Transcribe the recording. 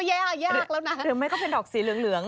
ยากยากแล้วนะหรือไม่ก็เป็นดอกสีเหลือง